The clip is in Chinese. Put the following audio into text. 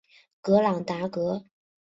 格朗达格。